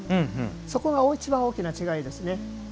そこが一番大きな違いですね。